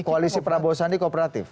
koalisi prabowo sandi kooperatif